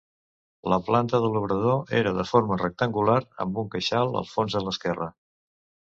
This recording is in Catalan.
La planta de l'obrador era de forma rectangular amb un queixal al fons a l'esquerra.